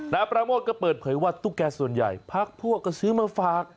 ปราโมทก็เปิดเผยว่าตุ๊กแก่ส่วนใหญ่พักพวกก็ซื้อมาฝาก